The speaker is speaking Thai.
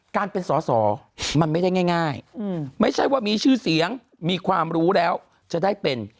การเป็นสอสอมันไม่ได้ง่ายไม่ใช่ว่ามีชื่อเสียงมีความรู้แล้วจะได้เป็น